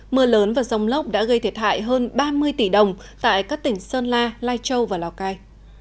mưa lớn và rông lốc đã gây thiệt hại hơn ba mươi tỷ đồng tại các tỉnh sơn la lai châu và lào cai